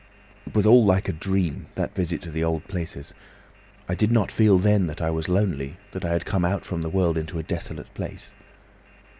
"It was all like a dream, that visit to the old places. I did not feel then that I was lonely, that I had come out from the world into a desolate place.